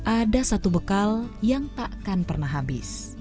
ada satu bekal yang tak akan pernah habis